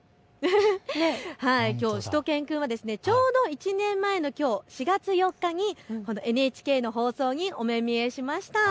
しゅと犬くんはちょうど１年前のきょう、４月４日にこのＮＨＫの放送にお目見えしました。